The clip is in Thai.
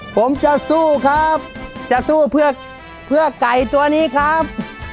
ผมจะสู้ครับจะสู้เพื่อไก่ตัวนี้ครับ